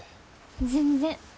全然。